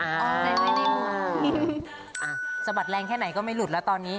สะบัดแรงแค่ไหนก็ไม่หลุดแล้วตอนนี้